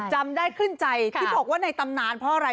จำได้ขึ้นใจที่บอกว่าในตำนานเพราะอะไร